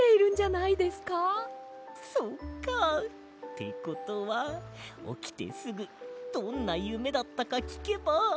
そっか。ってことはおきてすぐどんなゆめだったかきけば。